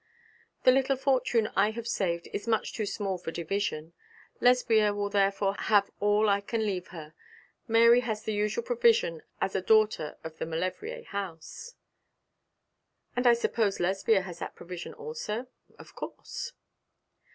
'The little fortune I have saved is much too small for division. Lesbia will therefore have all I can leave her. Mary has the usual provision as a daughter of the Maulevrier house.' 'And I suppose Lesbia has that provision also?' 'Of course.'